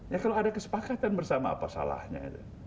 ya kalau ada kesepakatan bersama apa salahnya